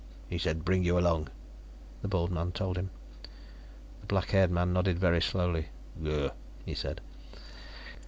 "He said bring you along," the bald man told him. The black haired man nodded very slowly. "Gur," he said.